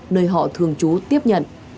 nơi họ thường trú tiếp nhận